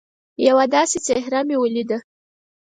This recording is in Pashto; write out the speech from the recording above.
یوه داسي څهره مې ولیده